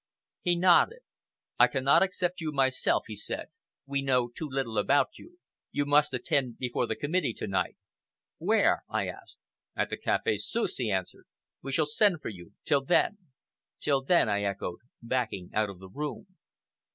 He nodded. "I cannot accept you myself," he said. "We know too little about you. You must attend before the committee to night." "Where?" I asked. "At the Café Suisse," he answered. "We shall send for you! Till then!" "Till then," I echoed, backing out of the room.